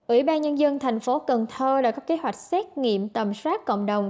ủy ban nhân dân thành phố cường thơ đã có kế hoạch xét nghiệm tầm sát cộng đồng